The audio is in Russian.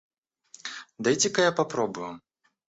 Дайте-ка я попробую.